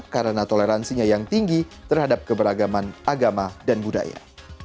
karena toleransinya yang tinggi terhadap keberagaman agama dan budaya